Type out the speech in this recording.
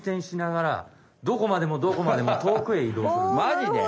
マジで？